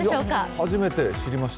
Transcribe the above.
初めて知りました。